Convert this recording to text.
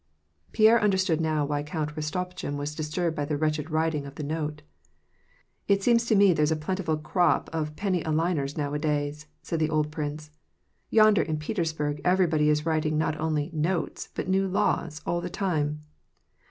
Pierre understood now why Count Rostopchin was disturbed by the wretched writing of the note. " It seems to me there's a plentiful crop of penny a liners nowadays," said the old prince. "Yonder in Petersburg, everybody is writing not only ^ notes,' but new laws, all the time.